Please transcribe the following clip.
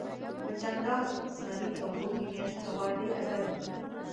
په چنګاښ ، زمري او وږي میاشت هوا ډیره ګرمه وي